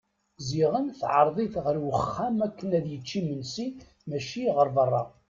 Ziɣen teɛreḍ-it ɣer uxxam akken ad yečč imensi mačči ɣer berra.